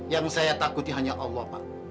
yang saya takuti hanya allah pak